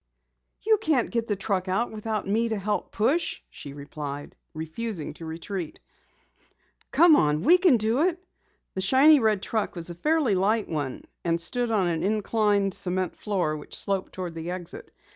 "You can't get the truck out without me to help push," she replied, refusing to retreat. "Come on, we can do it!" The shiny red truck was a fairly light one and stood on an inclined cement floor which sloped toward the exit.